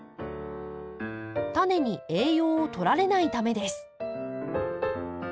タネに栄養を取られないためです。